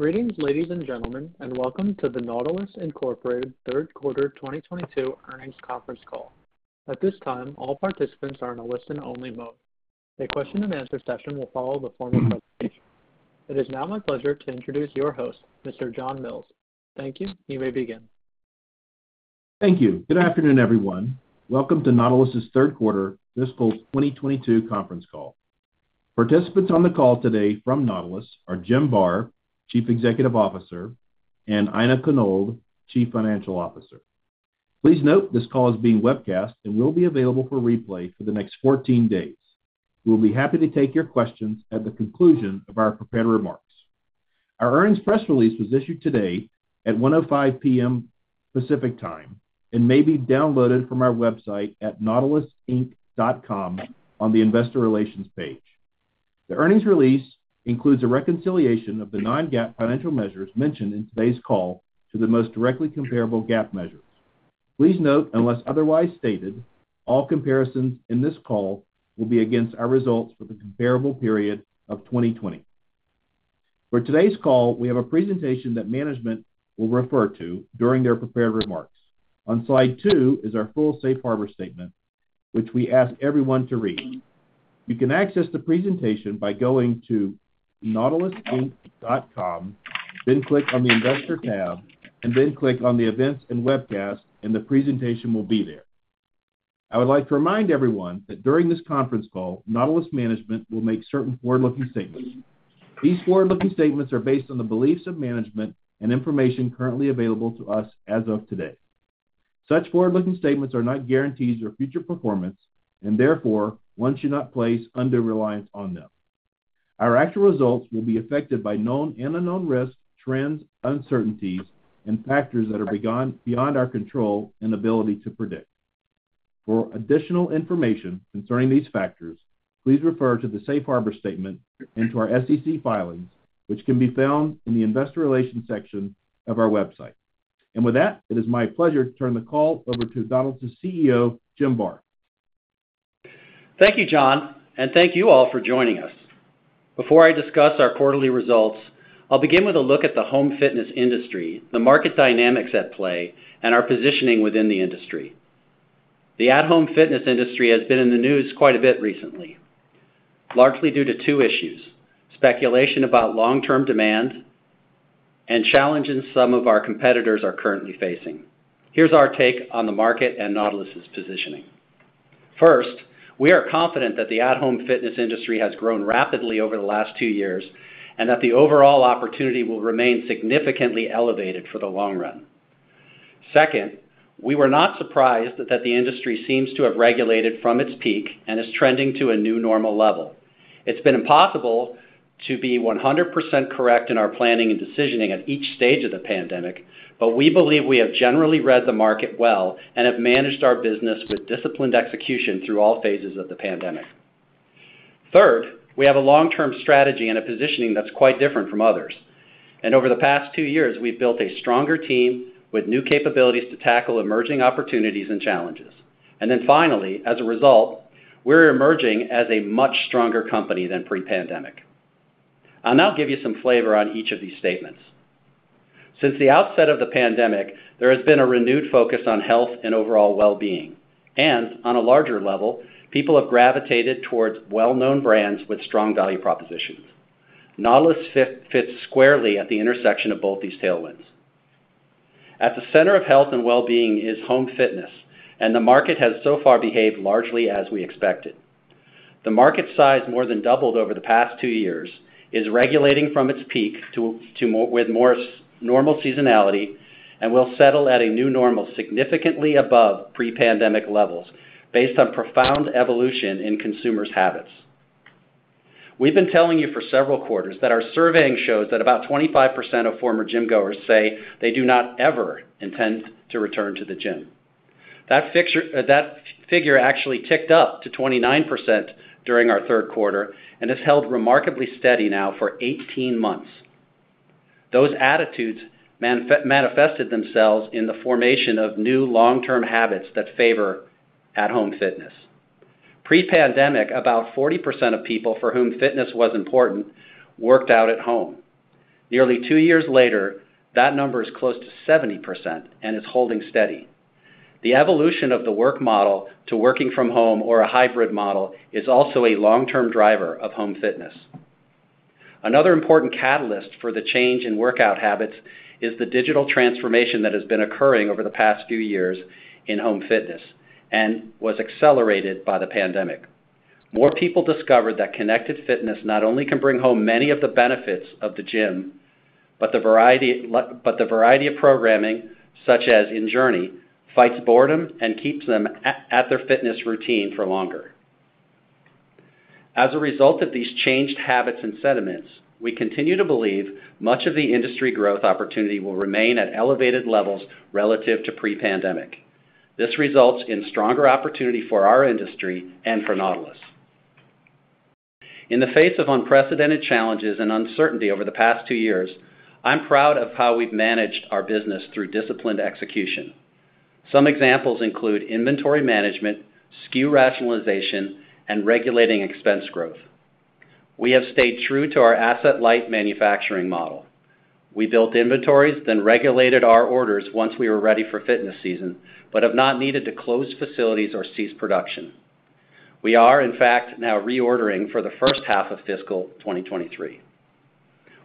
Greetings, ladies and gentlemen, and welcome to the Nautilus, Inc. third quarter 2022 earnings conference call. At this time, all participants are in a listen only mode. A question and answer session will follow the formal presentation. It is now my pleasure to introduce your host, Mr. John Mills. Thank you. You may begin. Thank you. Good afternoon, everyone. Welcome to Nautilus' third quarter fiscal 2022 conference call. Participants on the call today from Nautilus are Jim Barr, Chief Executive Officer, and Aina Konold, Chief Financial Officer. Please note this call is being webcast and will be available for replay for the next 14 days. We'll be happy to take your questions at the conclusion of our prepared remarks. Our earnings press release was issued today at 1:05 P.M. Pacific Time and may be downloaded from our website at nautilusinc.com on the investor relations page. The earnings release includes a reconciliation of the non-GAAP financial measures mentioned in today's call to the most directly comparable GAAP measures. Please note, unless otherwise stated, all comparisons in this call will be against our results for the comparable period of 2020. For today's call, we have a presentation that management will refer to during their prepared remarks. On slide two is our full safe harbor statement, which we ask everyone to read. You can access the presentation by going to nautilusinc.com, then click on the investor tab, and then click on the events and webcast and the presentation will be there. I would like to remind everyone that during this conference call, Nautilus management will make certain forward-looking statements. These forward-looking statements are based on the beliefs of management and information currently available to us as of today. Such forward-looking statements are not guarantees or future performance, and therefore, one should not place undue reliance on them. Our actual results will be affected by known and unknown risks, trends, uncertainties, and factors that are beyond our control and ability to predict. For additional information concerning these factors, please refer to the safe harbor statement and to our SEC filings, which can be found in the Investor Relations section of our website. With that, it is my pleasure to turn the call over to Nautilus' CEO, Jim Barr. Thank you, John, and thank you all for joining us. Before I discuss our quarterly results, I'll begin with a look at the home fitness industry, the market dynamics at play, and our positioning within the industry. The at-home fitness industry has been in the news quite a bit recently, largely due to two issues, speculation about long-term demand and challenges some of our competitors are currently facing. Here's our take on the market and Nautilus's positioning. First, we are confident that the at-home fitness industry has grown rapidly over the last two years, and that the overall opportunity will remain significantly elevated for the long run. Second, we were not surprised that the industry seems to have recalibrated from its peak and is trending to a new normal level. It's been impossible to be 100% correct in our planning and decisioning at each stage of the pandemic, but we believe we have generally read the market well and have managed our business with disciplined execution through all phases of the pandemic. Third, we have a long-term strategy and a positioning that's quite different from others. Over the past two years, we've built a stronger team with new capabilities to tackle emerging opportunities and challenges. Finally, as a result, we're emerging as a much stronger company than pre-pandemic. I'll now give you some flavor on each of these statements. Since the outset of the pandemic, there has been a renewed focus on health and overall well-being. On a larger level, people have gravitated towards well-known brands with strong value propositions. Nautilus fits squarely at the intersection of both these tailwinds. At the center of health and well-being is home fitness, and the market has so far behaved largely as we expected. The market size more than doubled over the past two years, is re-rating from its peak with more normal seasonality, and will settle at a new normal significantly above pre-pandemic levels based on profound evolution in consumers' habits. We've been telling you for several quarters that our surveying shows that about 25% of former gym goers say they do not ever intend to return to the gym. That figure actually ticked up to 29% during our third quarter and has held remarkably steady now for 18 months. Those attitudes manifested themselves in the formation of new long-term habits that favor at-home fitness. Pre-pandemic, about 40% of people for whom fitness was important worked out at home. Nearly two years later, that number is close to 70% and is holding steady. The evolution of the work model to working from home or a hybrid model is also a long-term driver of home fitness. Another important catalyst for the change in workout habits is the digital transformation that has been occurring over the past few years in home fitness and was accelerated by the pandemic. More people discovered that connected fitness not only can bring home many of the benefits of the gym, but the variety of programming, such as in JRNY, fights boredom and keeps them at their fitness routine for longer. As a result of these changed habits and sentiments, we continue to believe much of the industry growth opportunity will remain at elevated levels relative to pre-pandemic. This results in stronger opportunity for our industry and for Nautilus. In the face of unprecedented challenges and uncertainty over the past two years, I'm proud of how we've managed our business through disciplined execution. Some examples include inventory management, SKU rationalization, and regulating expense growth. We have stayed true to our asset-light manufacturing model. We built inventories, then regulated our orders once we were ready for fitness season, but have not needed to close facilities or cease production. We are, in fact, now reordering for the first half of fiscal 2023.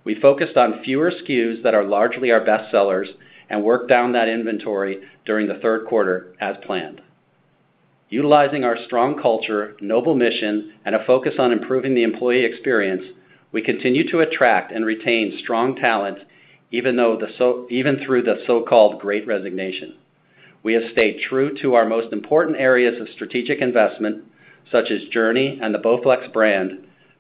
We focused on fewer SKUs that are largely our best sellers and worked down that inventory during the third quarter as planned. Utilizing our strong culture, noble mission, and a focus on improving the employee experience, we continue to attract and retain strong talent, even through the so-called great resignation. We have stayed true to our most important areas of strategic investment, such as Journey and the BowFlex brand,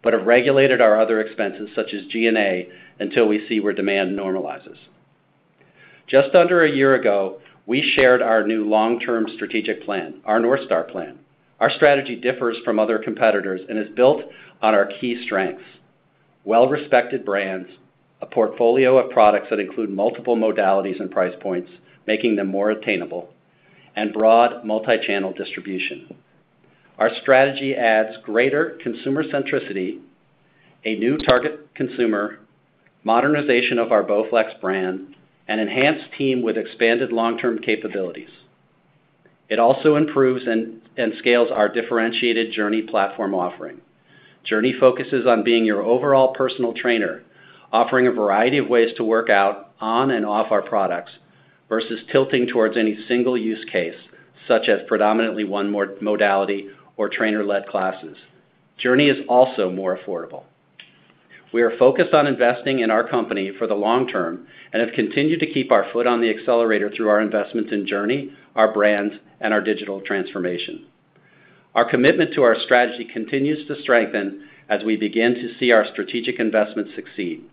but have regulated our other expenses, such as G&A, until we see where demand normalizes. Just under a year ago, we shared our new long-term strategic plan, our North Star plan. Our strategy differs from other competitors and is built on our key strengths, well-respected brands, a portfolio of products that include multiple modalities and price points, making them more attainable, and broad multi-channel distribution. Our strategy adds greater consumer centricity, a new target consumer, modernization of our BowFlex brand, an enhanced team with expanded long-term capabilities. It also improves and scales our differentiated Journey platform offering. Journey focuses on being your overall personal trainer, offering a variety of ways to work out on and off our products versus tilting towards any single use case, such as predominantly one modality or trainer-led classes. Journey is also more affordable. We are focused on investing in our company for the long term and have continued to keep our foot on the accelerator through our investments in Journey, our brands, and our digital transformation. Our commitment to our strategy continues to strengthen as we begin to see our strategic investments succeed.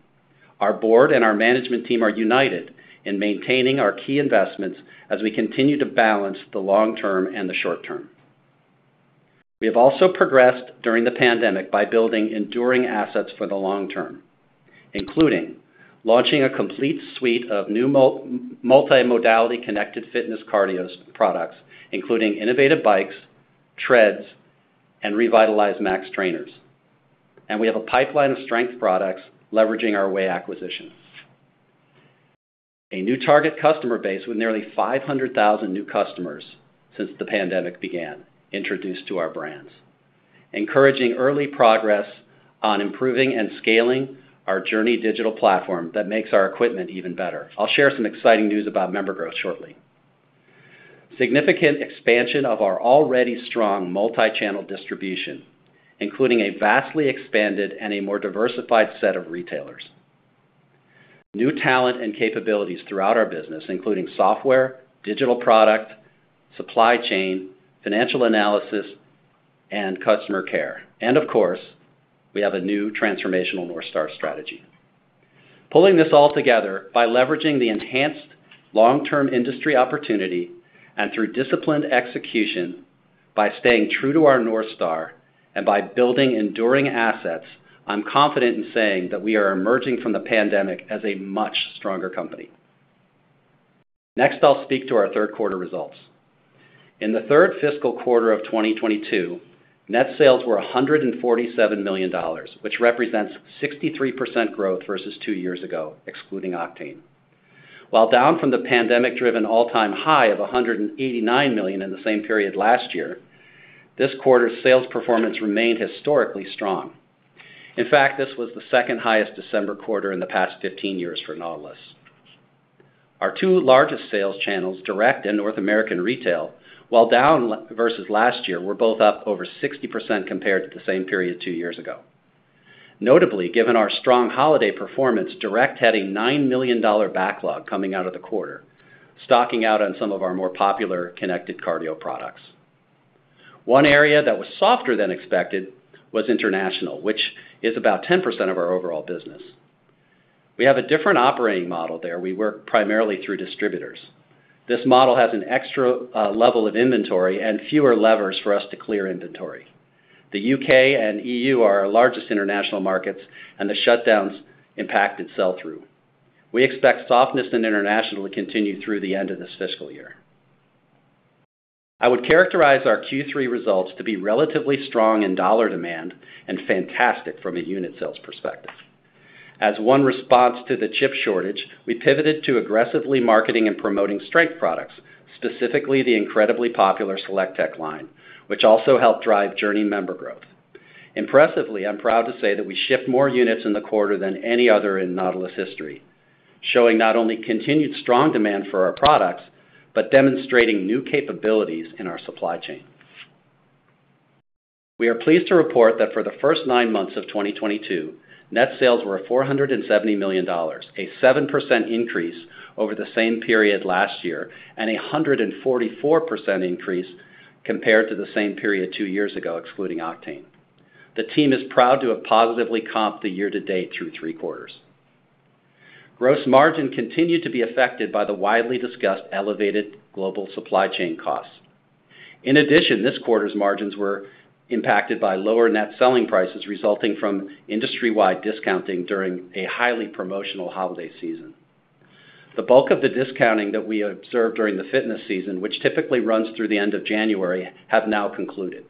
Our board and our management team are united in maintaining our key investments as we continue to balance the long term and the short term. We have also progressed during the pandemic by building enduring assets for the long term, including launching a complete suite of new multi-modality connected fitness cardio products, including innovative bikes, treads, and revitalized Max Trainers. We have a pipeline of strength products leveraging our VAY acquisition. A new target customer base with nearly 500,000 new customers since the pandemic began introduced to our brands. Encouraging early progress on improving and scaling our Journey digital platform that makes our equipment even better. I'll share some exciting news about member growth shortly. Significant expansion of our already strong multi-channel distribution, including a vastly expanded and a more diversified set of retailers. New talent and capabilities throughout our business, including software, digital product, supply chain, financial analysis, and customer care. Of course, we have a new transformational North Star strategy. Pulling this all together by leveraging the enhanced long-term industry opportunity and through disciplined execution by staying true to our North Star and by building enduring assets, I'm confident in saying that we are emerging from the pandemic as a much stronger company. Next, I'll speak to our third quarter results. In the third fiscal quarter of 2022, net sales were $147 million, which represents 63% growth versus two years ago, excluding Octane. While down from the pandemic-driven all-time high of $189 million in the same period last year, this quarter's sales performance remained historically strong. In fact, this was the second highest December quarter in the past 15 years for Nautilus. Our two largest sales channels, direct and North American retail, while down versus last year, were both up over 60% compared to the same period two years ago. Notably, given our strong holiday performance, direct had a $9 million backlog coming out of the quarter, stocking out on some of our more popular connected cardio products. One area that was softer than expected was international, which is about 10% of our overall business. We have a different operating model there. We work primarily through distributors. This model has an extra level of inventory and fewer levers for us to clear inventory. The U.K. and EU are our largest international markets, and the shutdowns impacted sell-through. We expect softness in international to continue through the end of this fiscal year. I would characterize our Q3 results to be relatively strong in dollar demand and fantastic from a unit sales perspective. As one response to the chip shortage, we pivoted to aggressively marketing and promoting strength products, specifically the incredibly popular SelectTech line, which also helped drive Journey member growth. Impressively, I'm proud to say that we shipped more units in the quarter than any other in Nautilus history, showing not only continued strong demand for our products, but demonstrating new capabilities in our supply chain. We are pleased to report that for the first nine months of 2022, net sales were $470 million, a 7% increase over the same period last year and a 144% increase compared to the same period two years ago, excluding Octane. The team is proud to have positively comped the year-to-date through three quarters. Gross margin continued to be affected by the widely discussed elevated global supply chain costs. In addition, this quarter's margins were impacted by lower net selling prices resulting from industry-wide discounting during a highly promotional holiday season. The bulk of the discounting that we observed during the fitness season, which typically runs through the end of January, have now concluded.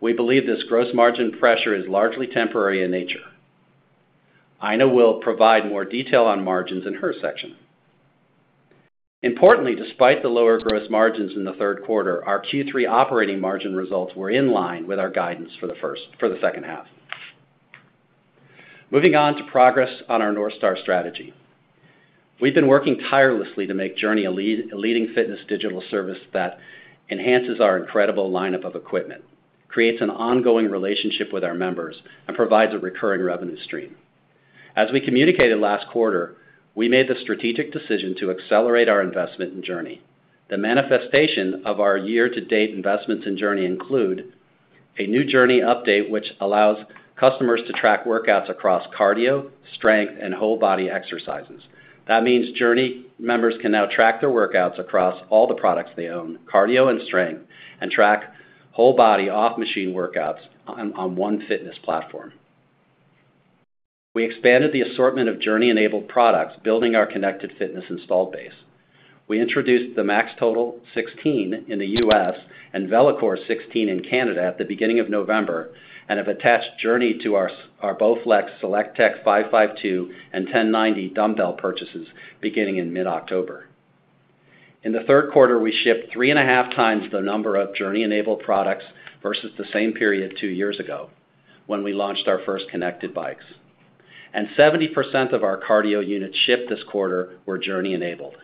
We believe this gross margin pressure is largely temporary in nature. Aina will provide more detail on margins in her section. Importantly, despite the lower gross margins in the third quarter, our Q3 operating margin results were in line with our guidance for the second half. Moving on to progress on our North Star strategy. We've been working tirelessly to make Journey a leading fitness digital service that enhances our incredible lineup of equipment, creates an ongoing relationship with our members, and provides a recurring revenue stream. As we communicated last quarter, we made the strategic decision to accelerate our investment in Journey. The manifestation of our year-to-date investments in Journey include a new Journey update, which allows customers to track workouts across cardio, strength, and whole body exercises. That means Journey members can now track their workouts across all the products they own, cardio and strength, and track whole body off-machine workouts on one fitness platform. We expanded the assortment of Journey-enabled products, building our connected fitness installed base. We introduced the Max Total 16 in the U.S. and VeloCore 16 in Canada at the beginning of November, and have attached Journey to our our BowFlex SelectTech 552 and 1090 dumbbell purchases beginning in mid-October. In the third quarter, we shipped 3.5 times the number of Journey-enabled products versus the same period 2 years ago when we launched our first connected bikes. Seventy percent of our cardio units shipped this quarter were Journey-enabled.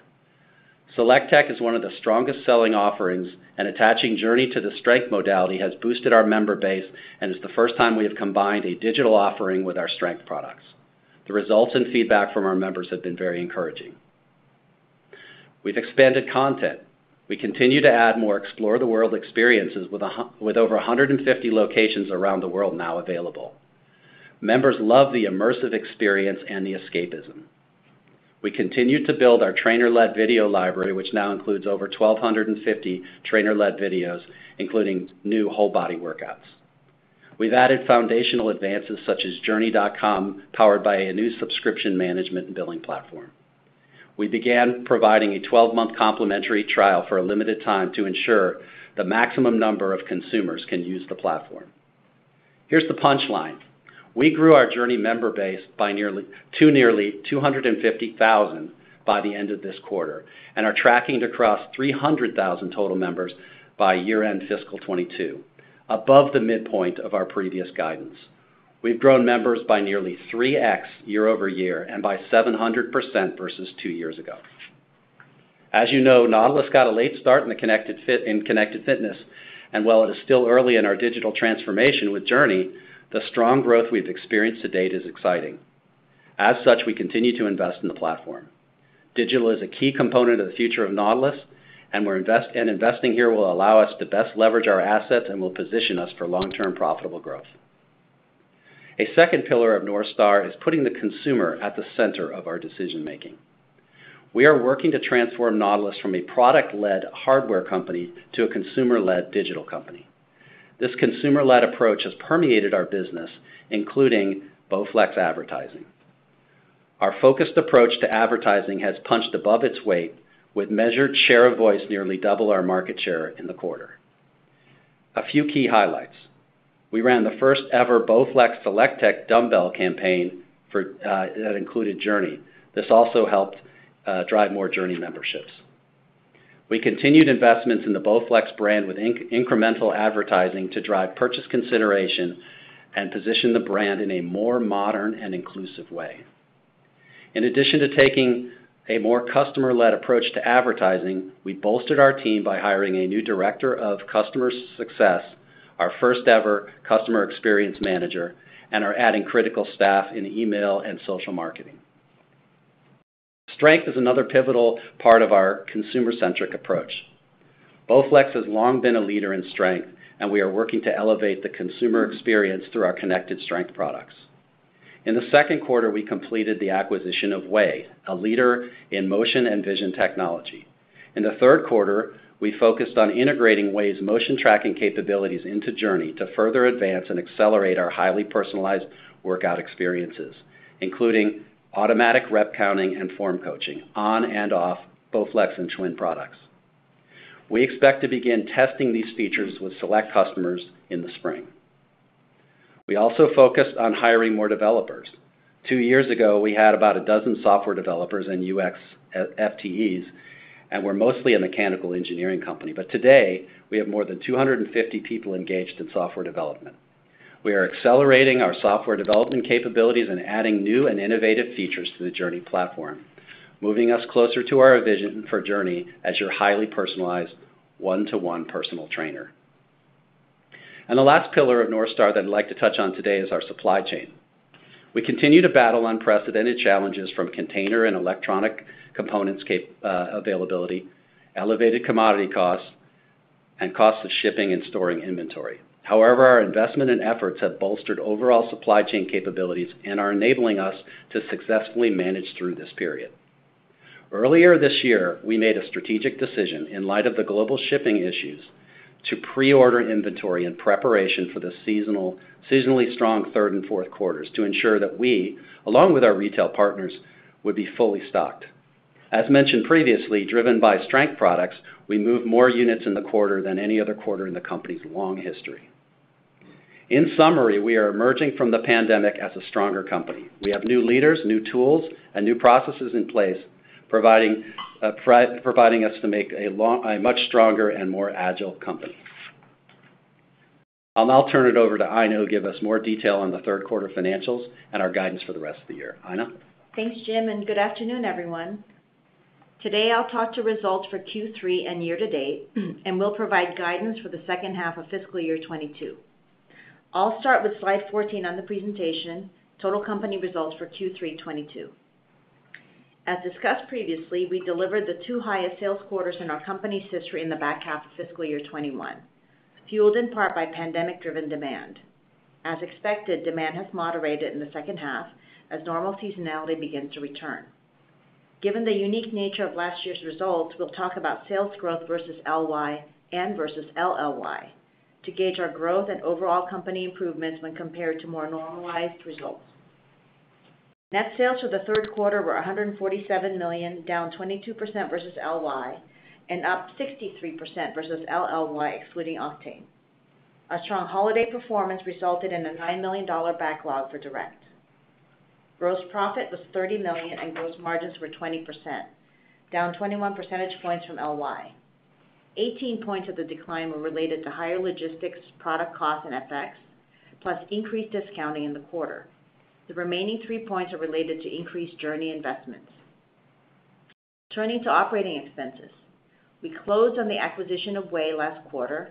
SelectTech is one of the strongest selling offerings, and attaching Journey to the strength modality has boosted our member base, and is the first time we have combined a digital offering with our strength products. The results and feedback from our members have been very encouraging. We've expanded content. We continue to add more Explore the World experiences with over 150 locations around the world now available. Members love the immersive experience and the escapism. We continued to build our trainer-led video library, which now includes over 1,250 trainer-led videos, including new whole body workouts. We've added foundational advances such as jrny.com, powered by a new subscription management and billing platform. We began providing a 12-month complimentary trial for a limited time to ensure the maximum number of consumers can use the platform. Here's the punchline. We grew our JRNY member base to nearly 250,000 by the end of this quarter, and are tracking to cross 300,000 total members by year-end fiscal 2022, above the midpoint of our previous guidance. We've grown members by nearly 3x year-over-year and by 700% versus two years ago. As you know, Nautilus got a late start in connected fitness, and while it is still early in our digital transformation with Journey, the strong growth we've experienced to date is exciting. As such, we continue to invest in the platform. Digital is a key component of the future of Nautilus, and we're investing here will allow us to best leverage our assets and will position us for long-term profitable growth. A second pillar of North Star is putting the consumer at the center of our decision-making. We are working to transform Nautilus from a product-led hardware company to a consumer-led digital company. This consumer-led approach has permeated our business, including BowFlex advertising. Our focused approach to advertising has punched above its weight with measured share of voice nearly double our market share in the quarter. A few key highlights. We ran the first ever BowFlex SelectTech dumbbell campaign for that included JRNY. This also helped drive more JRNY memberships. We continued investments in the BowFlex brand with incremental advertising to drive purchase consideration and position the brand in a more modern and inclusive way. In addition to taking a more customer-led approach to advertising, we bolstered our team by hiring a new director of customer success, our first ever customer experience manager, and are adding critical staff in email and social marketing. Strength is another pivotal part of our consumer-centric approach. BowFlex has long been a leader in strength, and we are working to elevate the consumer experience through our connected strength products. In the second quarter, we completed the acquisition of VAY, a leader in motion and vision technology. In the third quarter, we focused on integrating VAY's motion tracking capabilities into JRNY to further advance and accelerate our highly personalized workout experiences, including automatic rep counting and form coaching on and off BowFlex and Schwinn products. We expect to begin testing these features with select customers in the spring. We also focused on hiring more developers. 2 years ago, we had about a dozen software developers and UX FTEs and were mostly a mechanical engineering company. Today, we have more than 250 people engaged in software development. We are accelerating our software development capabilities and adding new and innovative features to the JRNY platform, moving us closer to our vision for JRNY as your highly personalized one-to-one personal trainer. The last pillar of North Star that I'd like to touch on today is our supply chain. We continue to battle unprecedented challenges from container and electronic components chip availability, elevated commodity costs, and cost of shipping and storing inventory. However, our investment and efforts have bolstered overall supply chain capabilities and are enabling us to successfully manage through this period. Earlier this year, we made a strategic decision in light of the global shipping issues to pre-order inventory in preparation for the seasonally strong third and fourth quarters to ensure that we, along with our retail partners, would be fully stocked. As mentioned previously, driven by strength products, we moved more units in the quarter than any other quarter in the company's long history. In summary, we are emerging from the pandemic as a stronger company. We have new leaders, new tools, and new processes in place providing us to make a much stronger and more agile company. I'll now turn it over to Aina who give us more detail on the third quarter financials and our guidance for the rest of the year. Aina? Thanks, Jim, and good afternoon, everyone. Today, I'll talk to results for Q3 and year to date, and we'll provide guidance for the second half of fiscal year 2022. I'll start with slide 14 on the presentation, total company results for Q3 2022. As discussed previously, we delivered the two highest sales quarters in our company's history in the back half of fiscal year 2021, fueled in part by pandemic-driven demand. As expected, demand has moderated in the second half as normal seasonality begins to return. Given the unique nature of last year's results, we'll talk about sales growth versus LY and versus LLY to gauge our growth and overall company improvements when compared to more normalized results. Net sales for the third quarter were $147 million, down 22% versus LY and up 63% versus LLY, excluding Octane. A strong holiday performance resulted in a $9 million backlog for direct. Gross profit was $30 million and gross margins were 20%, down 21 percentage points from LY. 18 points of the decline were related to higher logistics, product costs, and FX, plus increased discounting in the quarter. The remaining 3 points are related to increased JRNY investments. Turning to operating expenses. We closed on the acquisition of VAY last quarter.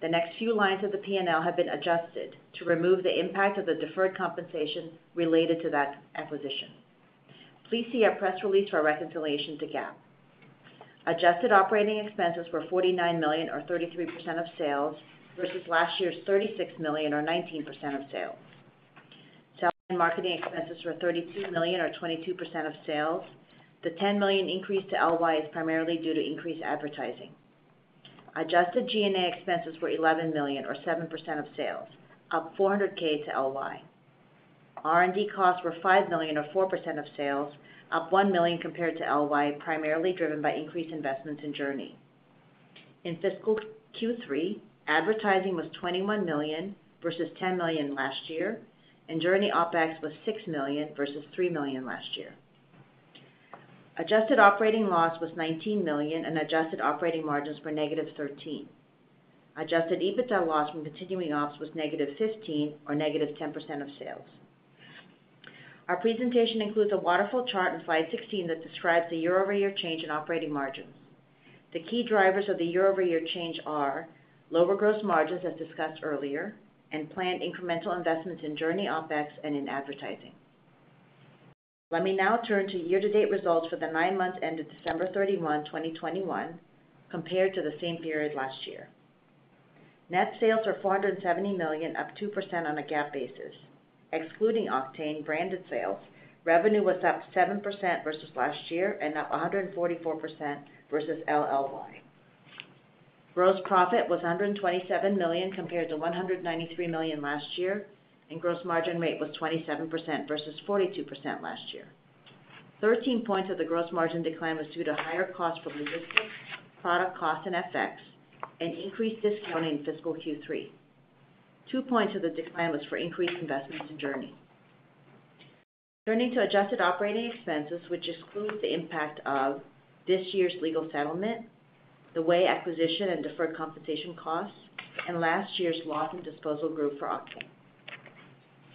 The next few lines of the P&L have been adjusted to remove the impact of the deferred compensation related to that acquisition. Please see our press release for a reconciliation to GAAP. Adjusted operating expenses were $49 million or 33% of sales versus last year's $36 million or 19% of sales. Sales and marketing expenses were $32 million or 22% of sales. The $10 million increase to LY is primarily due to increased advertising. Adjusted G&A expenses were $11 million or 7% of sales, up $400K to LY. R&D costs were $5 million or 4% of sales, up $1 million compared to LY, primarily driven by increased investments in JRNY. In fiscal Q3, advertising was $21 million versus $10 million last year, and JRNY OpEx was $6 million versus $3 million last year. Adjusted operating loss was $19 million and adjusted operating margins were -13%. Adjusted EBITDA loss from continuing ops was -$15 million or -10% of sales. Our presentation includes a waterfall chart in slide 16 that describes the year-over-year change in operating margins. The key drivers of the year-over-year change are lower gross margins, as discussed earlier, and planned incremental investments in JRNY OpEx and in advertising. Let me now turn to year-to-date results for the nine months ended December 31, 2021, compared to the same period last year. Net sales are $470 million, up 2% on a GAAP basis. Excluding Octane branded sales, revenue was up 7% versus last year and up 144% versus LLY. Gross profit was $127 million compared to $193 million last year, and gross margin rate was 27% versus 42% last year. 13 points of the gross margin decline was due to higher costs from logistics, product costs, and FX, and increased discounting in fiscal Q3. 2 points of the decline was for increased investments in JRNY. Turning to adjusted operating expenses, which excludes the impact of this year's legal settlement, the VAY acquisition and deferred compensation costs, and last year's loss and disposal group for Octane.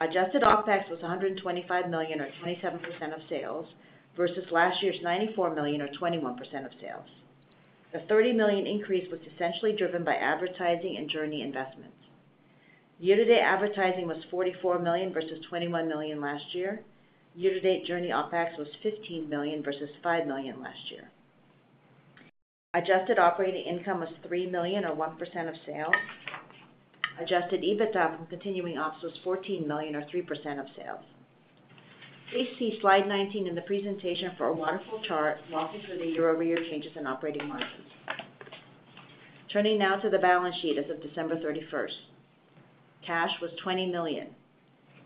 Adjusted OpEx was $125 million or 27% of sales versus last year's $94 million or 21% of sales. The $30 million increase was essentially driven by advertising and JRNY investments. Year-to-date advertising was $44 million versus $21 million last year. Year-to-date JRNY OpEx was $15 million versus $5 million last year. Adjusted operating income was $3 million or 1% of sales. Adjusted EBITDA from continuing ops was $14 million or 3% of sales. Please see slide 19 in the presentation for a waterfall chart walking through the year-over-year changes in operating margins. Turning now to the balance sheet as of December thirty-first. Cash was $20 million.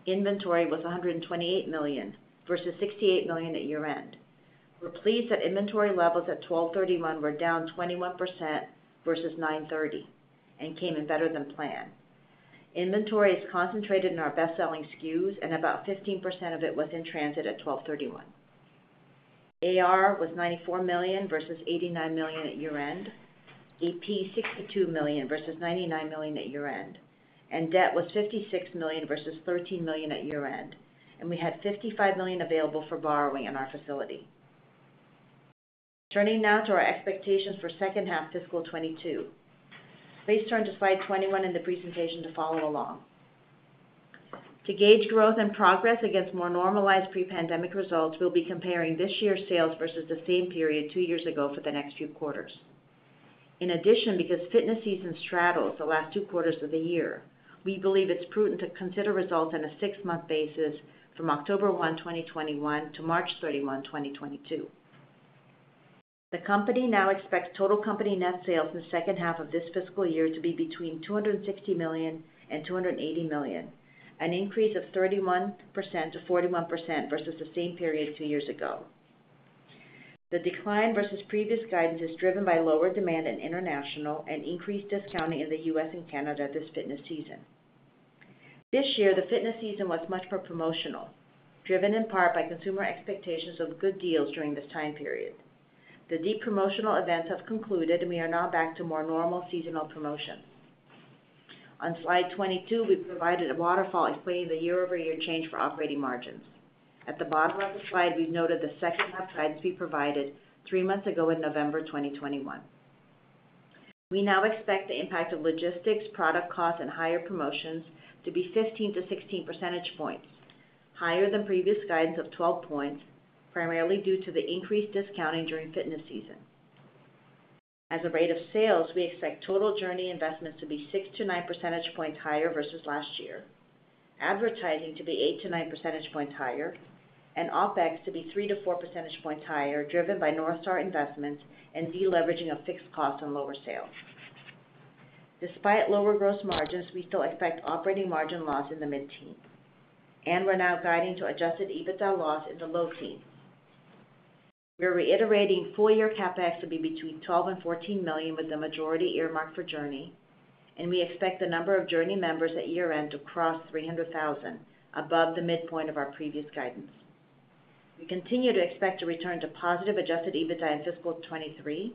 Inventory was $128 million versus $68 million at year-end. We're pleased that inventory levels at 12/31 were down 21% versus 9/30 and came in better than planned. Inventory is concentrated in our best-selling SKUs, and about 15% of it was in transit at 12/31. AR was $94 million versus $89 million at year-end. AP, $62 million versus $99 million at year-end. Debt was $56 million versus $13 million at year-end, and we had $55 million available for borrowing in our facility. Turning now to our expectations for second half fiscal 2022. Please turn to slide 21 in the presentation to follow along. To gauge growth and progress against more normalized pre-pandemic results, we'll be comparing this year's sales versus the same period two years ago for the next few quarters. In addition, because fitness season straddles the last two quarters of the year, we believe it's prudent to consider results on a six-month basis from October 1, 2021 to March 31, 2022. The company now expects total company net sales in the second half of this fiscal year to be between $260 million and $280 million, an increase of 31%-41% versus the same period two years ago. The decline versus previous guidance is driven by lower demand in international and increased discounting in the U.S. and Canada this fitness season. This year, the fitness season was much more promotional, driven in part by consumer expectations of good deals during this time period. The deep promotional events have concluded, and we are now back to more normal seasonal promotions. On slide 22, we've provided a waterfall explaining the year-over-year change for operating margins. At the bottom of the slide, we've noted the second half guidance we provided three months ago in November 2021. We now expect the impact of logistics, product costs, and higher promotions to be 15-16 percentage points, higher than previous guidance of 12 points, primarily due to the increased discounting during fitness season. As a rate of sales, we expect total JRNY investments to be 6-9 percentage points higher versus last year, advertising to be 8-9 percentage points higher, and OpEx to be 3-4 percentage points higher, driven by North Star investments and deleveraging of fixed costs on lower sales. Despite lower gross margins, we still expect operating margin loss in the mid-teen. We're now guiding to adjusted EBITDA loss in the low teen. We're reiterating full-year CapEx to be between $12 million-$14 million, with the majority earmarked for JRNY, and we expect the number of JRNY members at year-end to cross 300,000, above the midpoint of our previous guidance. We continue to expect to return to positive adjusted EBITDA in fiscal 2023,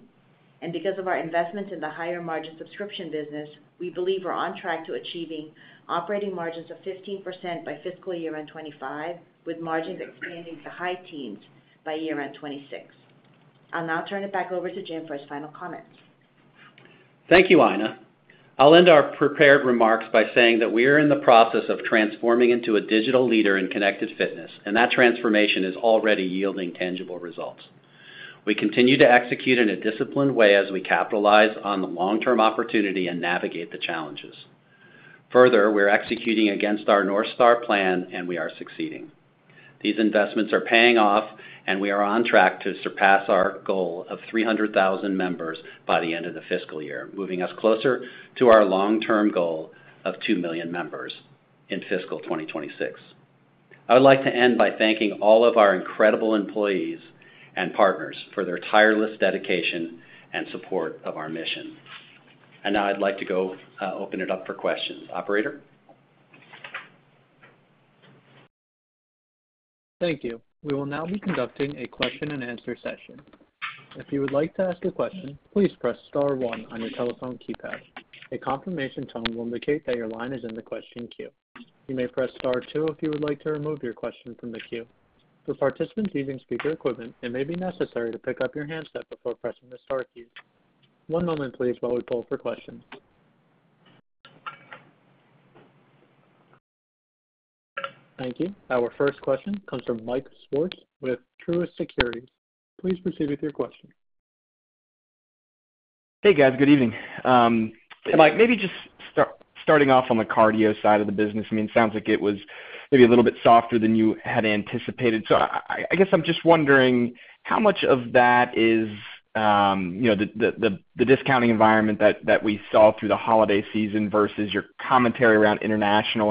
and because of our investments in the higher margin subscription business, we believe we're on track to achieving operating margins of 15% by fiscal year-end 2025, with margins expanding to high teens by year-end 2026. I'll now turn it back over to Jim for his final comments. Thank you, Aina. I'll end our prepared remarks by saying that we are in the process of transforming into a digital leader in connected fitness, and that transformation is already yielding tangible results. We continue to execute in a disciplined way as we capitalize on the long-term opportunity and navigate the challenges. Further, we're executing against our North Star plan, and we are succeeding. These investments are paying off, and we are on track to surpass our goal of 300,000 members by the end of the fiscal year, moving us closer to our long-term goal of 2 million members in fiscal 2026. I would like to end by thanking all of our incredible employees and partners for their tireless dedication and support of our mission. Now I'd like to go open it up for questions. Operator? Thank you. We will now be conducting a question-and-answer session. If you would like to ask a question, please press star one on your telephone keypad. A confirmation tone will indicate that your line is in the question queue. You may press star two if you would like to remove your question from the queue. For participants using speaker equipment, it may be necessary to pick up your handset before pressing the star key. One moment, please, while we poll for questions. Thank you. Our first question comes from Mike Swartz with Truist Securities. Please proceed with your question. Hey, guys. Good evening. Mike, maybe just starting off on the cardio side of the business. I mean, it sounds like it was maybe a little bit softer than you had anticipated. I guess I'm just wondering how much of that is the discounting environment that we saw through the holiday season versus your commentary around international.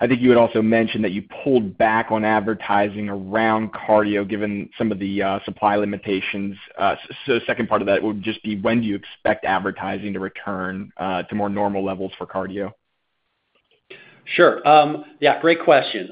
I think you had also mentioned that you pulled back on advertising around cardio given some of the supply limitations. The second part of that would just be when do you expect advertising to return to more normal levels for cardio? Sure. Yeah, great question.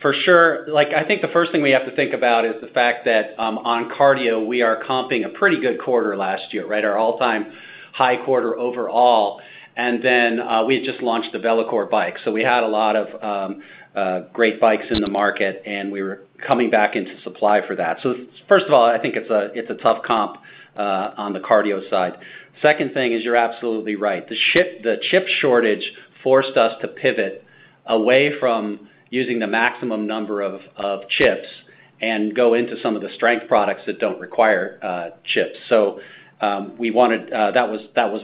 For sure, like, I think the first thing we have to think about is the fact that on cardio, we are comping a pretty good quarter last year, right? Our all-time high quarter overall. Then we had just launched the VeloCore bike. We had a lot of great bikes in the market, and we were coming back into supply for that. First of all, I think it's a tough comp on the cardio side. Second thing is you're absolutely right. The chip shortage forced us to pivot away from using the maximum number of chips and go into some of the strength products that don't require chips. That was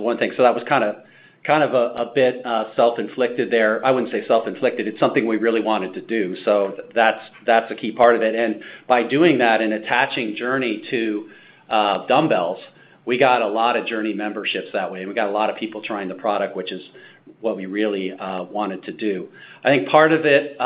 one thing. That was kind of a bit self-inflicted there. I wouldn't say self-inflicted. It's something we really wanted to do. That's a key part of it. By doing that and attaching JRNY to dumbbells, we got a lot of JRNY memberships that way, and we got a lot of people trying the product, which is what we really wanted to do. I think part of it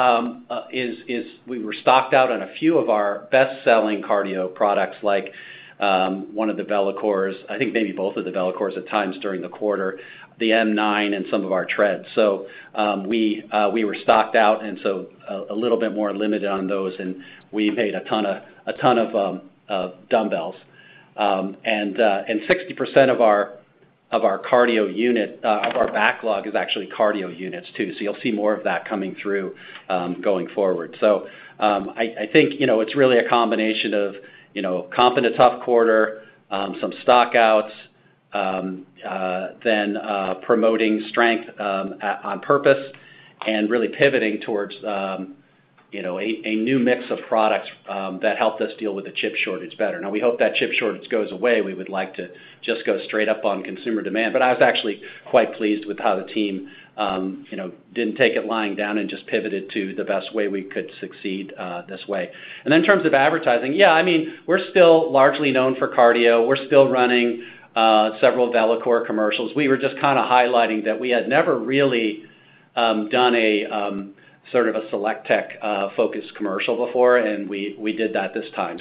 is we were stocked out on a few of our best-selling cardio products like one of the VeloCores, I think maybe both of the VeloCores at times during the quarter, the M9 and some of our treads. We were stocked out and so a little bit more limited on those, and we made a ton of dumbbells. 60% of our backlog is actually cardio units too. You'll see more of that coming through going forward. I think, you know, it's really a combination of, you know, comping a tough quarter, some stock-outs, then promoting strength on purpose and really pivoting towards you know, a new mix of products that helped us deal with the chip shortage better. Now we hope that chip shortage goes away. We would like to just go straight up on consumer demand, but I was actually quite pleased with how the team, you know, didn't take it lying down and just pivoted to the best way we could succeed this way. Then in terms of advertising, yeah, I mean, we're still largely known for cardio. We're still running several VeloCore commercials. We were just kinda highlighting that we had never really done a sort of a SelectTech focus commercial before, and we did that this time.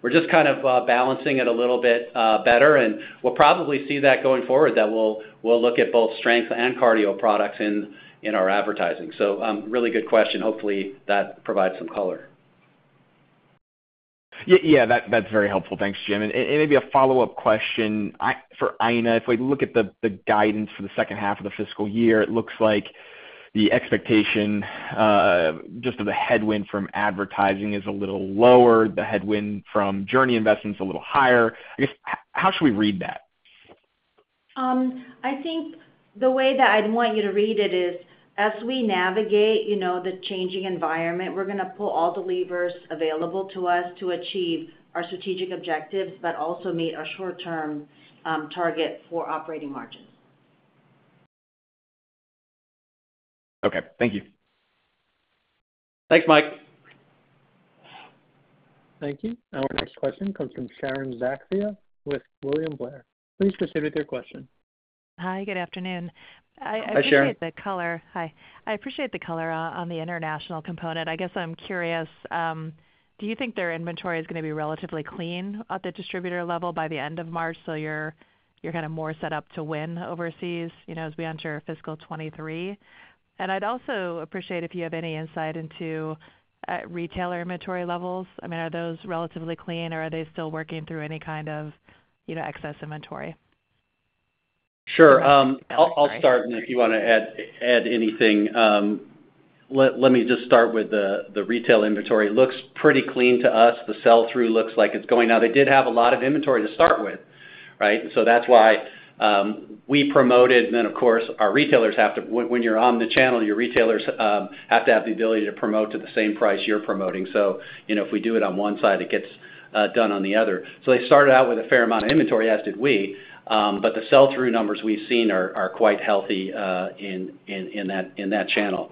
We're just kind of balancing it a little bit better, and we'll probably see that going forward that we'll look at both strength and cardio products in our advertising. Really good question. Hopefully, that provides some color. Yeah. That's very helpful. Thanks, Jim. Maybe a follow-up question for Aina. If we look at the guidance for the second half of the fiscal year, it looks like the expectation just of the headwind from advertising is a little lower, the headwind from JRNY investments a little higher. I guess, how should we read that? I think the way that I'd want you to read it is, as we navigate, you know, the changing environment, we're gonna pull all the levers available to us to achieve our strategic objectives but also meet our short-term target for operating margins. Okay. Thank you. Thanks, Mike. Thank you. Our next question comes from Sharon Zackfia with William Blair. Please proceed with your question. Hi, good afternoon. Hi, Sharon. I appreciate the color. Hi. I appreciate the color on the international component. I guess I'm curious, do you think their inventory is gonna be relatively clean at the distributor level by the end of March so you're kinda more set up to win overseas, you know, as we enter fiscal 2023? I'd also appreciate if you have any insight into retailer inventory levels. I mean, are those relatively clean, or are they still working through any kind of, you know, excess inventory? Sure. I'll start, and if you wanna add anything. Let me just start with the retail inventory. Looks pretty clean to us. The sell-through looks like it's going. Now they did have a lot of inventory to start with, right? So that's why we promoted, and then of course, when you're on the channel, your retailers have to have the ability to promote to the same price you're promoting. So, you know, if we do it on one side, it gets done on the other. So they started out with a fair amount of inventory, as did we, but the sell-through numbers we've seen are quite healthy in that channel.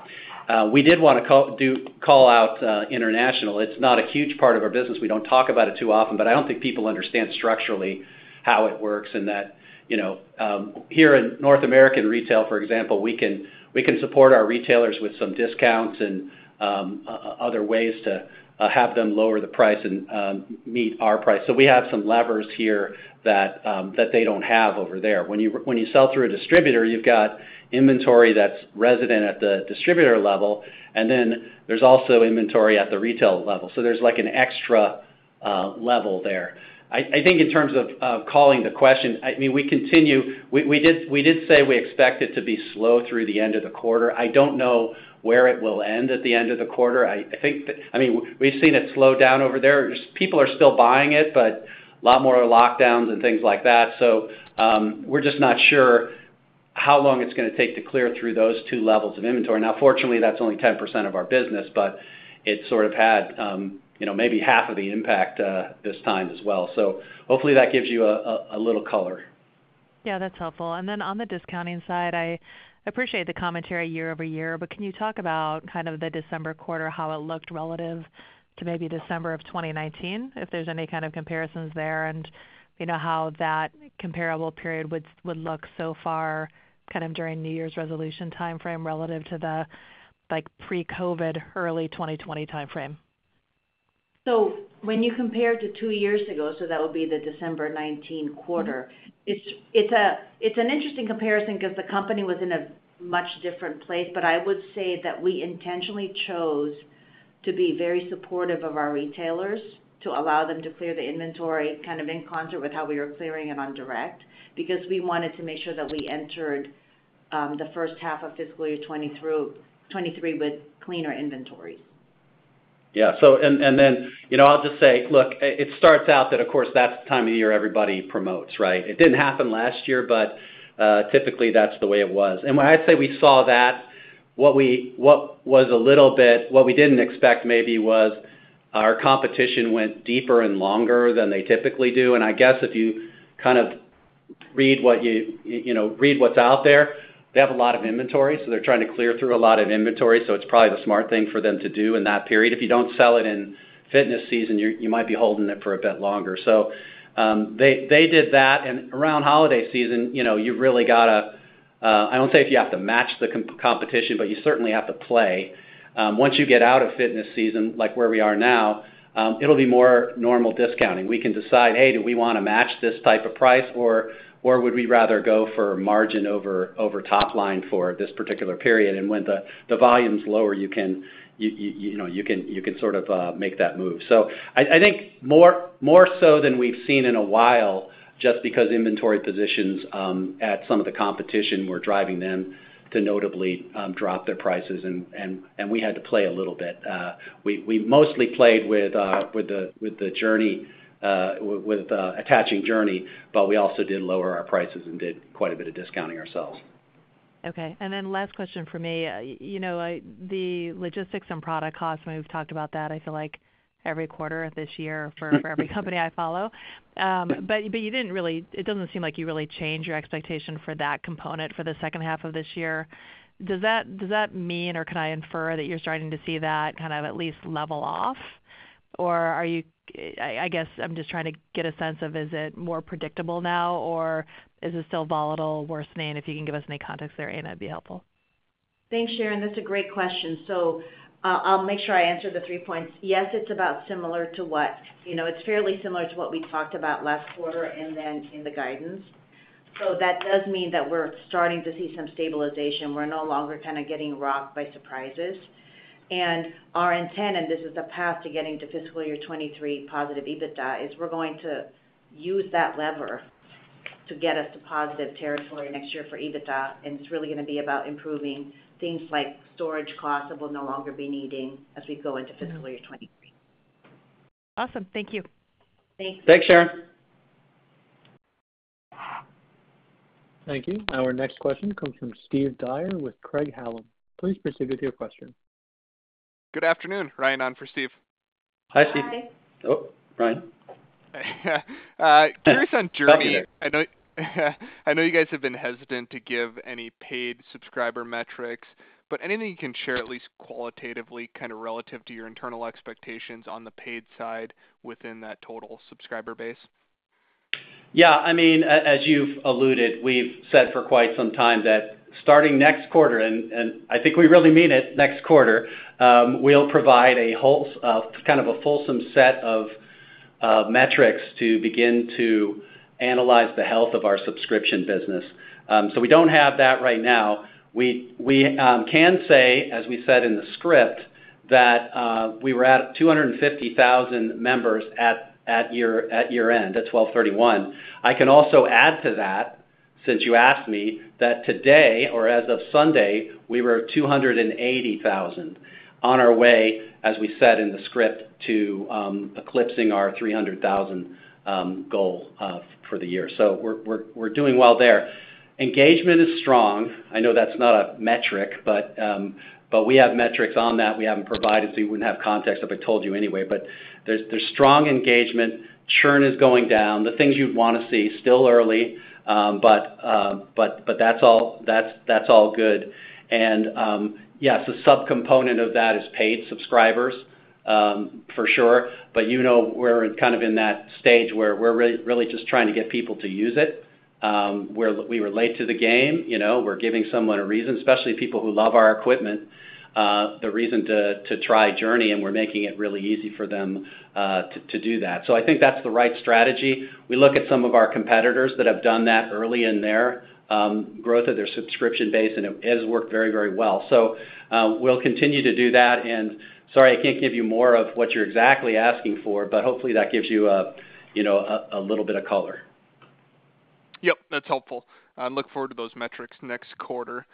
We did wanna call out international. It's not a huge part of our business. We don't talk about it too often, but I don't think people understand structurally how it works and that, you know, here in North American retail, for example, we can support our retailers with some discounts and, other ways to have them lower the price and meet our price. We have some levers here that they don't have over there. When you sell through a distributor, you've got inventory that's resident at the distributor level, and then there's also inventory at the retail level. There's like an extra level there. I think in terms of calling the question, I mean, we did say we expect it to be slow through the end of the quarter. I don't know where it will end at the end of the quarter. I think that. I mean, we've seen it slow down over there. People are still buying it, but a lot more lockdowns and things like that. We're just not sure how long it's gonna take to clear through those two levels of inventory. Now fortunately, that's only 10% of our business, but it sort of had, you know, maybe half of the impact, this time as well. Hopefully that gives you a little color. Yeah, that's helpful. Then on the discounting side, I appreciate the commentary year-over-year, but can you talk about kind of the December quarter, how it looked relative to maybe December of 2019? If there's any kind of comparisons there and, you know, how that comparable period would look so far kind of during New Year's resolution timeframe relative to the like pre-COVID early 2020 timeframe. When you compare to 2 years ago, so that would be the December 2019 quarter. Mm-hmm. It's an interesting comparison 'cause the company was in a much different place. I would say that we intentionally chose to be very supportive of our retailers to allow them to clear the inventory kind of in concert with how we were clearing it on direct because we wanted to make sure that we entered the first half of fiscal year 2020 through 2023 with cleaner inventories. Yeah. I'll just say, look, it starts out that of course that's the time of year everybody promotes, right? It didn't happen last year, but typically that's the way it was. When I say we saw that, what we didn't expect maybe was our competition went deeper and longer than they typically do. I guess if you kind of read what you know, read what's out there, they have a lot of inventory, so they're trying to clear through a lot of inventory, so it's probably the smart thing for them to do in that period. If you don't sell it in fitness season, you might be holding it for a bit longer. They did that. Around holiday season, you know, you've really got to. I won't say if you have to match the competition, but you certainly have to play. Once you get out of fitness season, like where we are now, it'll be more normal discounting. We can decide, hey, do we wanna match this type of price or would we rather go for margin over top line for this particular period? When the volume's lower, you know, you can sort of make that move. I think more so than we've seen in a while just because inventory positions at some of the competition were driving them to notably drop their prices and we had to play a little bit. We mostly played with the JRNY with attaching JRNY, but we also did lower our prices and did quite a bit of discounting ourselves. Okay. Last question for me. You know, the logistics and product costs, we've talked about that I feel like every quarter of this year for every company I follow. But you didn't really. It doesn't seem like you really changed your expectation for that component for the second half of this year. Does that mean, or can I infer that you're starting to see that kind of at least level off? Or are you? I guess I'm just trying to get a sense of is it more predictable now, or is it still volatile worsening? If you can give us any context there, Aina, it'd be helpful. Thanks, Sharon. That's a great question. I'll make sure I answer the three points. Yes, it's about similar to what. You know, it's fairly similar to what we talked about last quarter and then in the guidance. That does mean that we're starting to see some stabilization. We're no longer kind of getting rocked by surprises. Our intent, and this is the path to getting to fiscal year 2023 positive EBITDA, is we're going to use that lever to get us to positive territory next year for EBITDA, and it's really gonna be about improving things like storage costs that we'll no longer be needing as we go into fiscal year 2023. Awesome. Thank you. Thanks. Thanks, Sharon. Thank you. Our next question comes from Steve Dyer with Craig-Hallum. Please proceed with your question. Good afternoon. Ryan on for Steve. Hi, Steve. Hi. Oh, Ryan. I'm curious on JRNY. I know you guys have been hesitant to give any paid subscriber metrics, but anything you can share at least qualitatively, kind of relative to your internal expectations on the paid side within that total subscriber base? Yeah. I mean, as you've alluded, we've said for quite some time that starting next quarter, and I think we really mean it, next quarter, we'll provide a whole, kind of a fulsome set of metrics to begin to analyze the health of our subscription business. We don't have that right now. We can say, as we said in the script, that we were at 250,000 members at year-end, at 12/31. I can also add to that, since you asked me, that today or as of Sunday, we were at 280,000. On our way, as we said in the script, to eclipsing our 300,000 goal for the year. We're doing well there. Engagement is strong. I know that's not a metric, but we have metrics on that we haven't provided, so you wouldn't have context if I told you anyway. There's strong engagement. Churn is going down, the things you'd wanna see. Still early, but that's all good. Yes, a subcomponent of that is paid subscribers, for sure. You know, we're kind of in that stage where we're really just trying to get people to use it, where we were late to the game. You know, we're giving someone a reason, especially people who love our equipment, the reason to try JRNY, and we're making it really easy for them, to do that. I think that's the right strategy. We look at some of our competitors that have done that early in their growth of their subscription base, and it has worked very, very well. We'll continue to do that. Sorry I can't give you more of what you're exactly asking for, but hopefully that gives you a, you know, a little bit of color. Yep, that's helpful. I look forward to those metrics next quarter.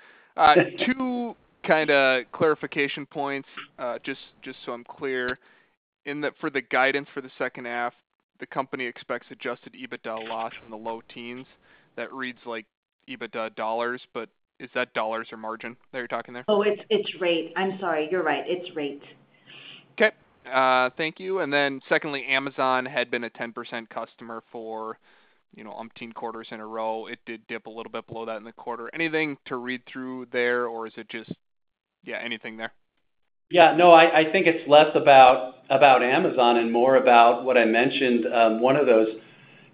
Two kinda clarification points, just so I'm clear. For the guidance for the second half, the company expects adjusted EBITDA loss in the low teens. That reads like EBITDA dollars, but is that dollars or margin that you're talking there? Oh, it's rate. I'm sorry. You're right. It's rate. Okay. Thank you. Secondly, Amazon had been a 10% customer for, you know, umpteen quarters in a row. It did dip a little bit below that in the quarter. Anything to read through there, or is it just. Yeah, anything there? Yeah, no. I think it's less about Amazon and more about what I mentioned. One of those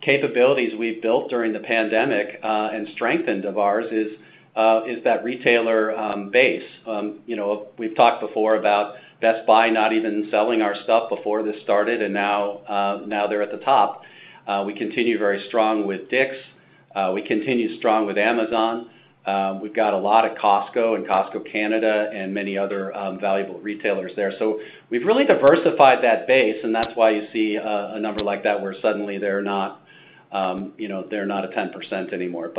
capabilities we've built during the pandemic and strengthened of ours is that retailer base. You know, we've talked before about Best Buy not even selling our stuff before this started, and now they're at the top. We continue very strong with Dick's. We continue strong with Amazon. We've got a lot of Costco and Costco Canada and many other valuable retailers there. So we've really diversified that base, and that's why you see a number like that, where suddenly they're not at 10% anymore.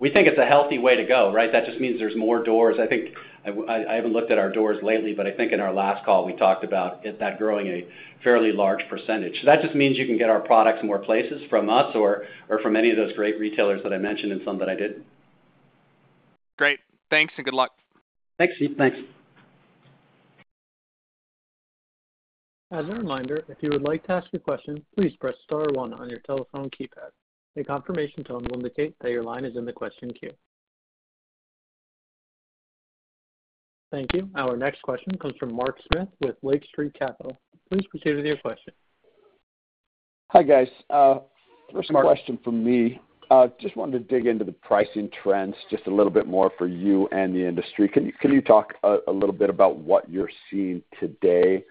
We think it's a healthy way to go, right? That just means there's more doors. I think I haven't looked at our doors lately, but I think in our last call we talked about it, that growing a fairly large percentage. That just means you can get our products more places from us or from any of those great retailers that I mentioned and some that I didn't. Great. Thanks and good luck. Thanks, Steve. Thanks. As a reminder, if you would like to ask a question, please press star one on your telephone keypad. A confirmation tone will indicate that your line is in the question queue. Thank you. Our next question comes from Mark Smith with Lake Street Capital. Please proceed with your question. Hi, guys. Mark. First question from me. Just wanted to dig into the pricing trends just a little bit more for you and the industry. Can you talk a little bit about what you're seeing today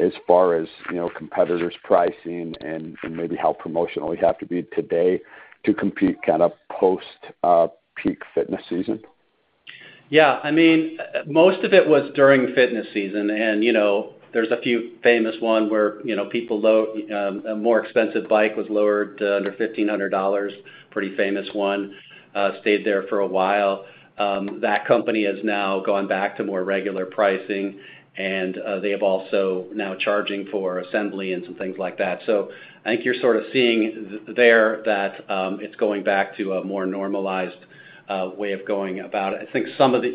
as far as, you know, competitors' pricing and maybe how promotional you have to be today to compete kind of post peak fitness season? Yeah. I mean, most of it was during fitness season. You know, there's a few famous one where a more expensive bike was lowered to under $1,500. Pretty famous one. Stayed there for a while. That company has now gone back to more regular pricing, and they have also now charging for assembly and some things like that. I think you're sort of seeing there that it's going back to a more normalized way of going about it. I think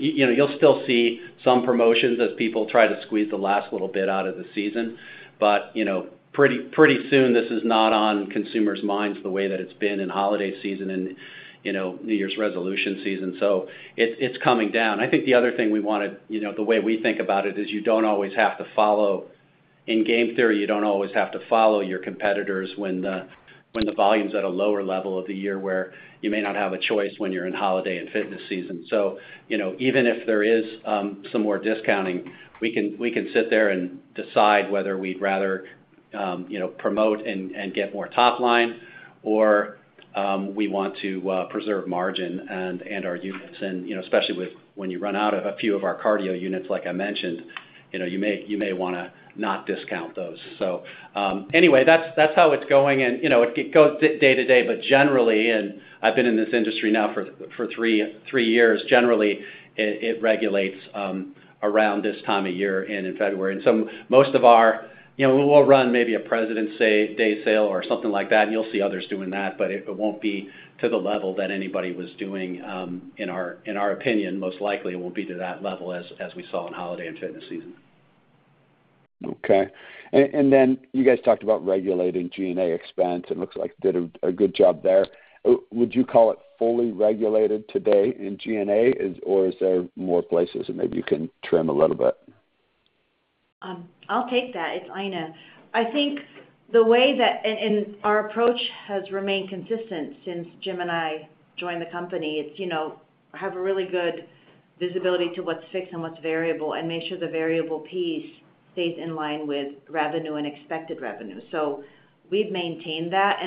you know, you'll still see some promotions as people try to squeeze the last little bit out of the season. You know, pretty soon, this is not on consumers' minds the way that it's been in holiday season and New Year's resolution season. It's coming down. I think the other thing we wanted, you know, the way we think about it is you don't always have to follow your competitors when the volume's at a lower level of the year, where you may not have a choice when you're in holiday and fitness season. You know, even if there is some more discounting, we can sit there and decide whether we'd rather, you know, promote and get more top line or we want to preserve margin and our units. You know, especially when you run out of a few of our cardio units, like I mentioned, you know, you may wanna not discount those. Anyway, that's how it's going and, you know, it goes day to day, but generally, I've been in this industry now for three years. Generally, it regulates around this time of year and in February. You know, most of our we'll run maybe a President's Day sale or something like that, and you'll see others doing that, but it won't be to the level that anybody was doing, in our opinion, most likely it won't be to that level as we saw in holiday and fitness season. Okay. Then you guys talked about regulating G&A expense. It looks like you did a good job there. Would you call it fully regulated today in G&A? Or is there more places that maybe you can trim a little bit? I'll take that. It's Aina. I think the way that our approach has remained consistent since Jim and I joined the company. It's, you know, have a really good visibility to what's fixed and what's variable and make sure the variable piece stays in line with revenue and expected revenue. We've maintained that.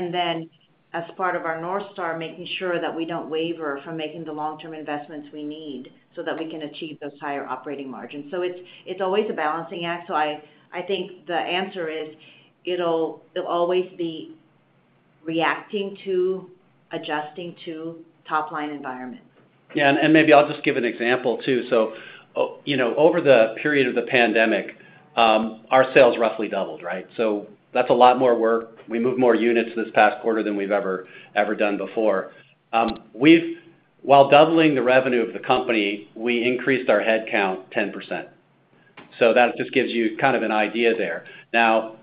As part of our North Star, making sure that we don't waver from making the long-term investments we need so that we can achieve those higher operating margins. It's always a balancing act. I think the answer is it'll always be reacting to, adjusting to top-line environments. Maybe I'll just give an example too. You know, over the period of the pandemic, our sales roughly doubled, right? That's a lot more work. We moved more units this past quarter than we've ever done before. While doubling the revenue of the company, we increased our head count 10%. That just gives you kind of an idea there. Now,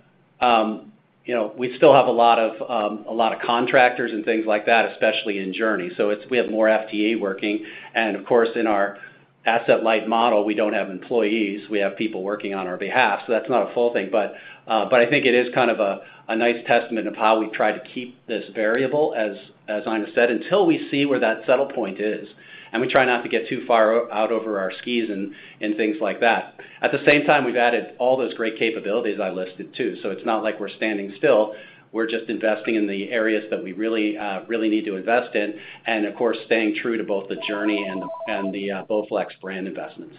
you know, we still have a lot of contractors and things like that, especially in JRNY. It's, we have more FTE working and of course, in our asset-light model, we don't have employees. We have people working on our behalf, so that's not a full thing. I think it is kind of a nice testament of how we try to keep this variable, as Ina said, until we see where that settle point is. We try not to get too far out over our skis and things like that. At the same time, we've added all those great capabilities I listed too. It's not like we're standing still. We're just investing in the areas that we really need to invest in, and of course, staying true to both the JRNY and the BowFlex brand investments.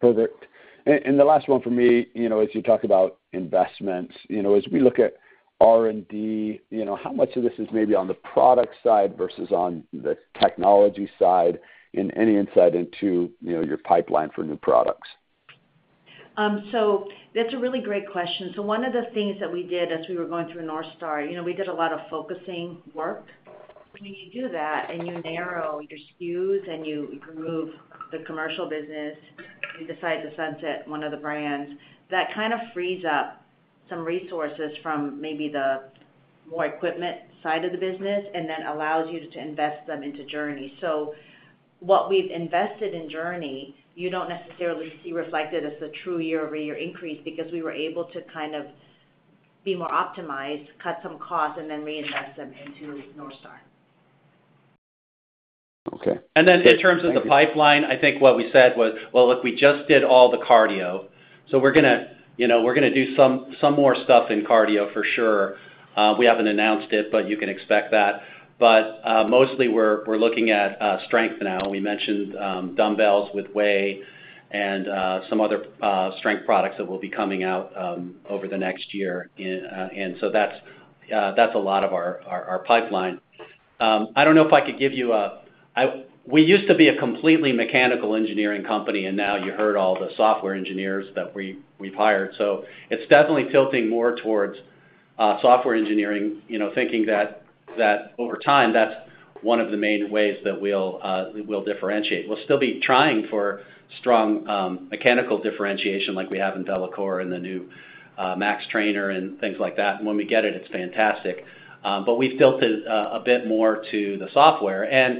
Perfect. The last one for me, you know, as you talk about investments, you know, as we look at R&D, you know, how much of this is maybe on the product side versus on the technology side and any insight into, you know, your pipeline for new products? That's a really great question. One of the things that we did as we were going through North Star, you know, we did a lot of focusing work. When you do that and you narrow your SKUs and you improve the commercial business, you decide to sunset one of the brands, that kind of frees up some resources from maybe the more equipment side of the business and then allows you to invest them into JRNY. What we've invested in JRNY, you don't necessarily see reflected as the true year-over-year increase because we were able to kind of be more optimized, cut some costs, and then reinvest them into North Star. Okay. In terms of the pipeline, I think what we said was, well, look, we just did all the cardio, so we're gonna, you know, we're gonna do some more stuff in cardio for sure. We haven't announced it, but you can expect that. Mostly we're looking at strength now. We mentioned dumbbells with VAY and some other strength products that will be coming out over the next year. And so that's a lot of our pipeline. We used to be a completely mechanical engineering company, and now you heard all the software engineers that we've hired. It's definitely tilting more towards software engineering, you know, thinking that over time, that's one of the main ways that we'll differentiate. We'll still be trying for strong mechanical differentiation like we have in VeloCore and the new Max Trainer and things like that. When we get it's fantastic. We've tilted a bit more to the software.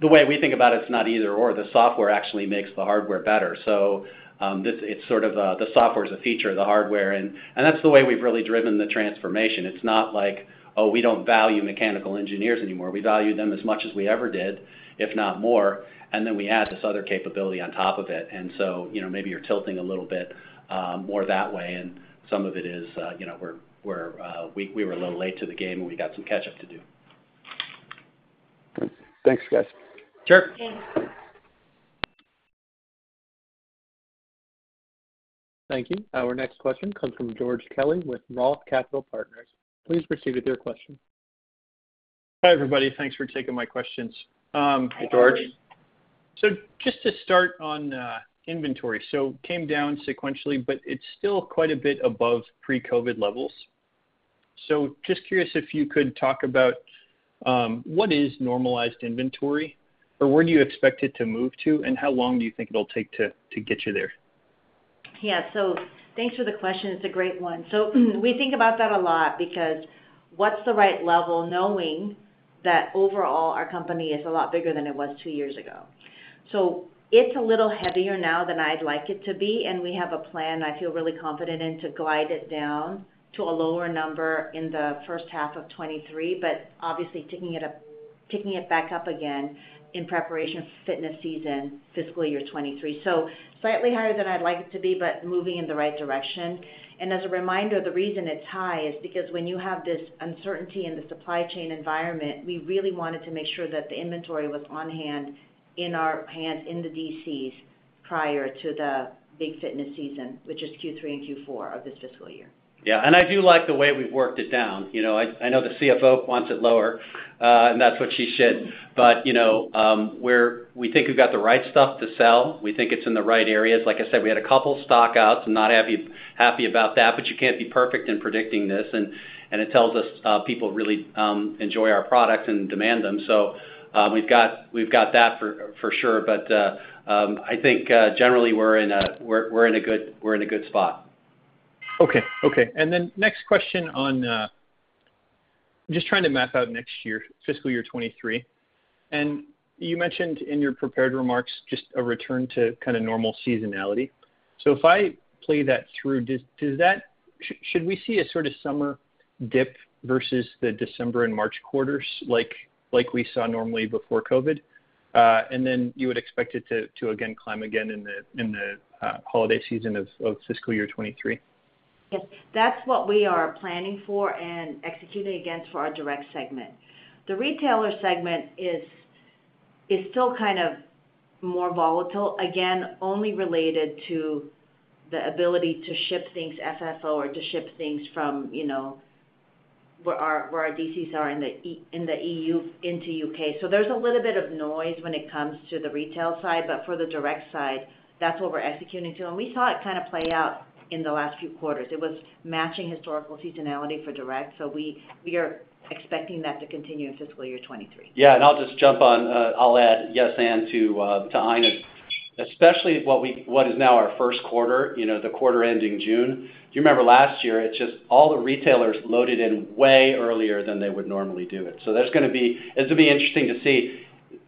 The way we think about it's not either/or. The software actually makes the hardware better. This, it's sort of the software's a feature of the hardware and that's the way we've really driven the transformation. It's not like, oh, we don't value mechanical engineers anymore. We value them as much as we ever did, if not more. Then we add this other capability on top of it. You know, maybe you're tilting a little bit more that way and some of it is, you know, we were a little late to the game, and we got some catch up to do. Thanks, guys. Sure. Thanks. Thank you. Our next question comes from George Kelly with Roth Capital Partners. Please proceed with your question. Hi, everybody. Thanks for taking my questions. Hey, George Just to start on inventory. Came down sequentially, but it's still quite a bit above pre-COVID levels. Just curious if you could talk about what is normalized inventory? Or where do you expect it to move to, and how long do you think it'll take to get you there? Yeah. Thanks for the question. It's a great one. We think about that a lot because what's the right level knowing that overall our company is a lot bigger than it was two years ago? It's a little heavier now than I'd like it to be, and we have a plan I feel really confident in to glide it down to a lower number in the first half of 2023. But obviously, ticking it back up again in preparation for fitness season fiscal year 2023. Slightly higher than I'd like it to be, but moving in the right direction. As a reminder, the reason it's high is because when you have this uncertainty in the supply chain environment, we really wanted to make sure that the inventory was on hand, in our hands, in the DCs prior to the big fitness season, which is Q3 and Q4 of this fiscal year. Yeah. I do like the way we've worked it down. You know, I know the CFO wants it lower, and that's what she should. We think we've got the right stuff to sell. We think it's in the right areas. Like I said, we had a couple stock-outs. I'm not happy about that, but you can't be perfect in predicting this, and it tells us people really enjoy our products and demand them. We've got that for sure. I think generally, we're in a good spot. Okay. Next question on. I'm just trying to map out next year, fiscal year 2023. You mentioned in your prepared remarks just a return to kinda normal seasonality. If I play that through, does that. Should we see a sorta summer dip versus the December and March quarters like we saw normally before COVID? You would expect it to again climb in the holiday season of fiscal year 2023? Yes. That's what we are planning for and executing against for our direct segment. The retailer segment is still kind of more volatile, again, only related to the ability to ship things FOB or to ship things from, you know, where our DCs are in the EU into U.K. So there's a little bit of noise when it comes to the retail side, but for the direct side, that's what we're executing to. We saw it kinda play out in the last few quarters. It was matching historical seasonality for direct, so we are expecting that to continue in fiscal year 2023. Yeah. I'll just jump on. I'll add yes and to Aina. Especially what is now our first quarter, you know, the quarter ending June. If you remember last year, it's just all the retailers loaded in way earlier than they would normally do it. It'll be interesting to see.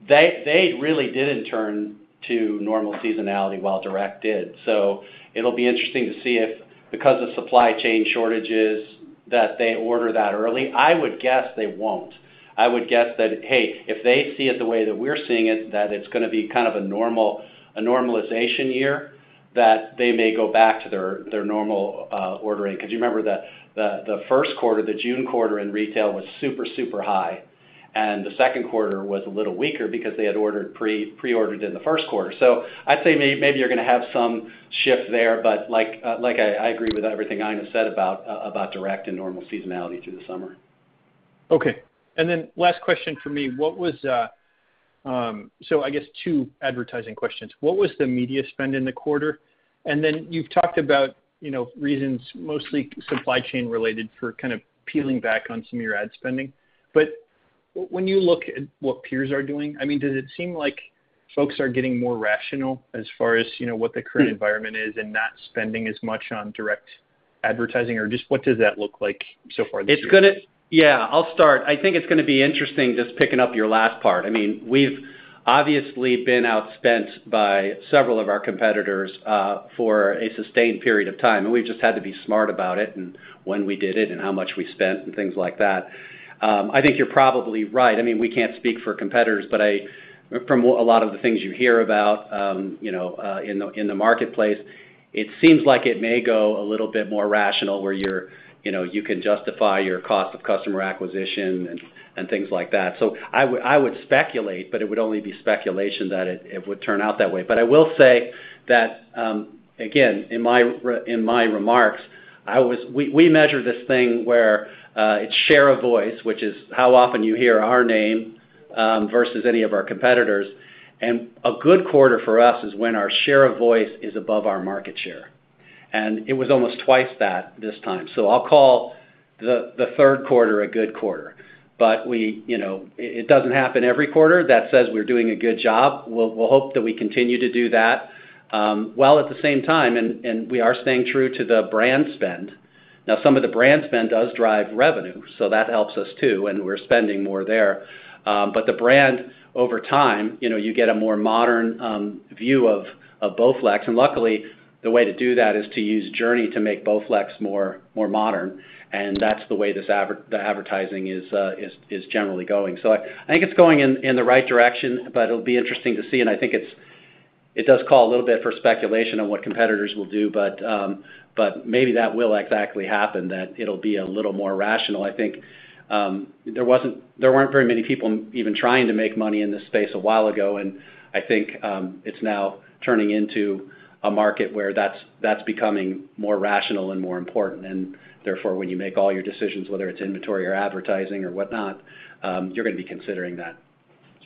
They really didn't turn to normal seasonality while direct did, so it'll be interesting to see if, because of supply chain shortages, that they order that early. I would guess they won't. I would guess that, hey, if they see it the way that we're seeing it, that it's gonna be kind of a normalization year, that they may go back to their normal ordering. 'Cause you remember the first quarter, the June quarter in retail was super high, and the second quarter was a little weaker because they had ordered pre-ordered in the first quarter. I'd say maybe you're gonna have some shift there, but like I agree with everything Aina said about direct and normal seasonality through the summer. Okay. Last question from me. I guess two advertising questions. What was the media spend in the quarter? You've talked about, you know, reasons mostly supply chain related for kind of peeling back on some of your ad spending. When you look at what peers are doing, I mean, does it seem like folks are getting more rational as far as, you know, what the current environment is and not spending as much on direct advertising? Or just what does that look like so far this year? Yeah, I'll start. I think it's gonna be interesting, just picking up your last part. I mean, we've obviously been outspent by several of our competitors for a sustained period of time, and we've just had to be smart about it and when we did it and how much we spent and things like that. I think you're probably right. I mean, we can't speak for competitors, but from a lot of the things you hear about in the marketplace, it seems like it may go a little bit more rational, where you can justify your cost of customer acquisition and things like that. I would speculate, but it would only be speculation that it would turn out that way. I will say that, again, in my remarks, we measure this thing where it's share of voice, which is how often you hear our name versus any of our competitors. A good quarter for us is when our share of voice is above our market share, and it was almost twice that this time. I'll call the third quarter a good quarter. You know, it doesn't happen every quarter. That says we're doing a good job. We'll hope that we continue to do that while at the same time, and we are staying true to the brand spend. Now, some of the brand spend does drive revenue, so that helps us too, and we're spending more there. The brand over time, you know, you get a more modern view of BowFlex. Luckily, the way to do that is to use JRNY to make BowFlex more modern, and that's the way the advertising is generally going. I think it's going in the right direction, but it'll be interesting to see. I think it does call a little bit for speculation on what competitors will do, but maybe that will exactly happen, that it'll be a little more rational. I think there weren't very many people even trying to make money in this space a while ago, and I think it's now turning into a market where that's becoming more rational and more important. when you make all your decisions, whether it's inventory or advertising or whatnot, you're gonna be considering that.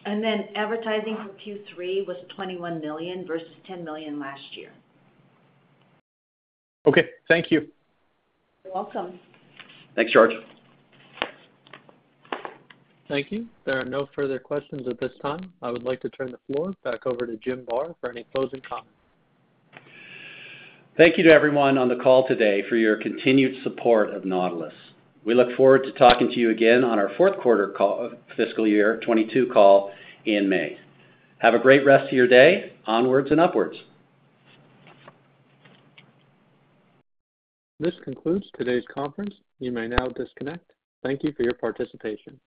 Advertising for Q3 was $21 million versus $10 million last year. Okay, thank you. You're welcome. Thanks, George. Thank you. There are no further questions at this time. I would like to turn the floor back over to Jim Barr for any closing comments. Thank you to everyone on the call today for your continued support of Nautilus. We look forward to talking to you again on our fourth quarter call, fiscal year 2022 call in May. Have a great rest of your day. Onwards and upwards. This concludes today's conference. You may now disconnect. Thank you for your participation.